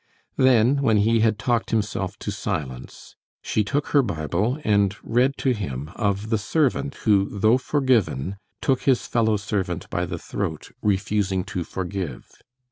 Then, when he had talked himself to silence, she took her Bible and read to him of the servant who, though forgiven, took his fellow servant by the throat, refusing to forgive.